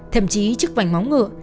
thậm chí trước vành móng ngựa